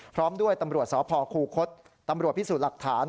พร้อมด้วยตำรวจสพคูคศตำรวจพิสูจน์หลักฐาน